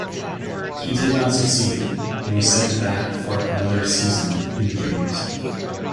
He did not succeed and was sent back for another season in the juniors.